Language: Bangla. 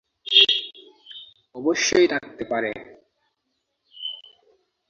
অবশ্যই থাকতে পারে।